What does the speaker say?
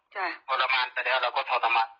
ตรงนั้นน้องก็เสียไปแล้วตรงนั้นน้องก็เสียไปแล้ว